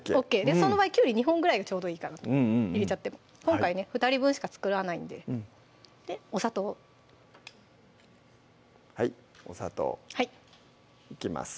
その場合きゅうり２本ぐらいがちょうどいいかなと入れちゃっても今回ね２人分しか作らないんででお砂糖はいお砂糖いきます